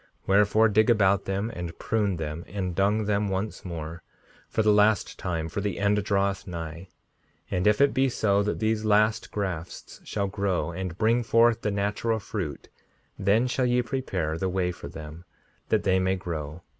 5:64 Wherefore, dig about them, and prune them, and dung them once more, for the last time, for the end draweth nigh. And if it be so that these last grafts shall grow, and bring forth the natural fruit, then shall ye prepare the way for them, that they may grow.